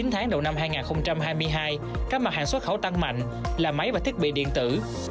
chín tháng đầu năm hai nghìn hai mươi hai các mặt hàng xuất khẩu tăng mạnh là máy và thiết bị điện tử